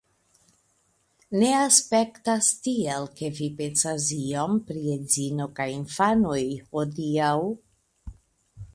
Ne aspektas tiel, ke vi pensas iom pri edzino kaj infanoj hodiaŭ.